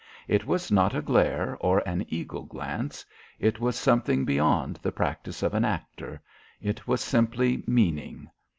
It was not a glare or an eagle glance; it was something beyond the practice of an actor; it was simply meaning.